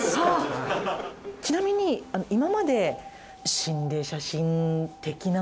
ちなみに今まで。